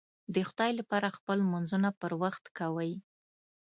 د خدای لپاره خپل لمونځونه پر وخت کوئ